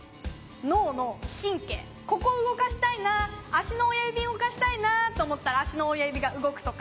ここ動かしたいな足の親指動かしたいなと思ったら足の親指が動くとか。